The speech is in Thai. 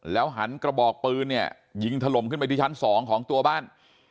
หันกระบอกปืนเนี่ยยิงถล่มขึ้นไปที่ชั้น๒ของตัวบ้าน